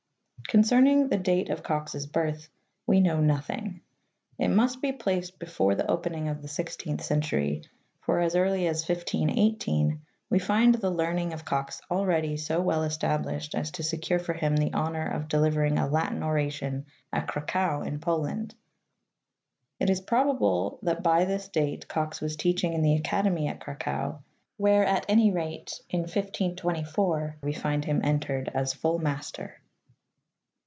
Concerning the date of Cox's birth we know nothing. It must be placed before the opening of the sixteenth century, for as early as 1 518 we find the learning of Cox already so well _, t j: established as to secure for him the honor of deliver Early Life. ing a Latin oration at Cracow in Poland.'' It is prob able that by this date Cox was teaching in the Academy at Cracow, where at any rate in 1524 we find him entered as full master.